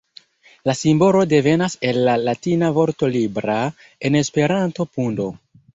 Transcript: La simbolo devenas el la latina vorto "libra", en Esperanto "pundo".